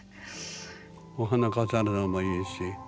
お花飾るのもいいし。